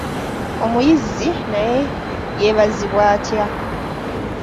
Omuyizzi naye yeebazibwa atya?